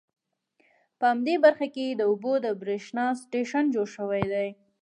په همدې برخه کې د اوبو د بریښنا سټیشن جوړ شوي دي.